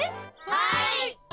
はい！